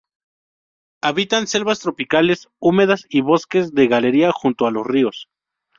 Habitan selvas tropicales húmedas y bosques de galería junto a los ríos.